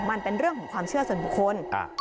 มันเป็นเรื่องของความเชื่อส่วนบุคคล